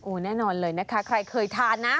แน่นอนเลยนะคะใครเคยทานนะ